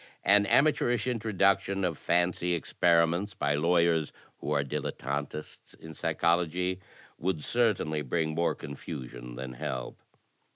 An amateurish introduction of fancy experiments by lawyers who are dilettantists in psychology would certainly bring more confusion than help.